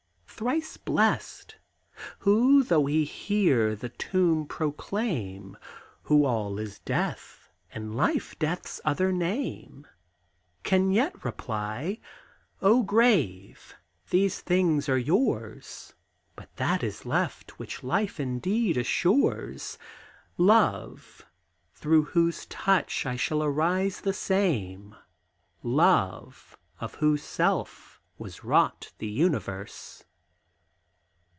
Thrice blessed! who, 'though he hear the tomb proclaim, How all is Death's and Life Death's other name; Can yet reply: "O Grave, these things are yours! But that is left which life indeed assures Love, through whose touch I shall arise the same! Love, of whose self was wrought the universe!"